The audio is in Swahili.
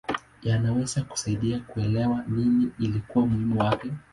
Yanaweza kusaidia kuelewa nini ilikuwa muhimu kwake.